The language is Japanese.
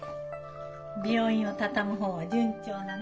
病院を畳む方は順調なの？